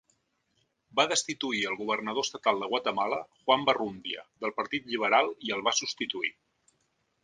Va destituir el governador estatal de Guatemala, Juan Barrundia, del partit lliberal, i el va substituir.